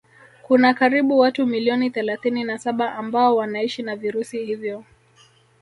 Kuna karibu watu milioni thalathini na saba ambao wanaishi na virusi hivyo